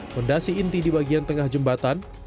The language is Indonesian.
mendasi inti di bagian tengah jembatan